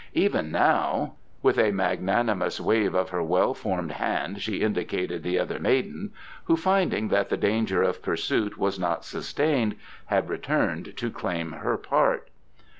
Even now " With a magnanimous wave of her well formed hand she indicated the other maiden, who, finding that the danger of pursuit was not sustained, had returned to claim her part.